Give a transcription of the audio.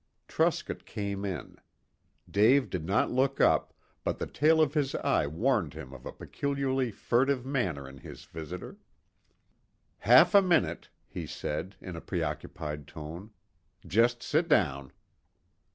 Truscott came in. Dave did not look up, but the tail of his eye warned him of a peculiarly furtive manner in his visitor. "Half a minute," he said, in a preoccupied tone. "Just sit down."